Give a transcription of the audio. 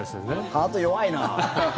ハート弱いな。